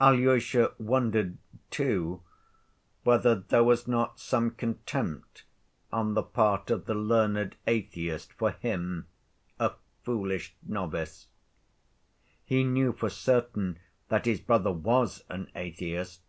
Alyosha wondered, too, whether there was not some contempt on the part of the learned atheist for him—a foolish novice. He knew for certain that his brother was an atheist.